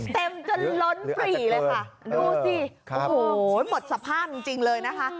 เต็มจนล้นปรีเลยค่ะดูสิโอ้โหหมดสภาพจริงจริงเลยนะคะ